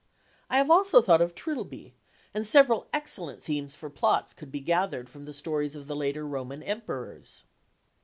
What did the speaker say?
I have also thought of Trilby; and several excellent themes for plots could be gathered from the stories of the later Roman Emperors."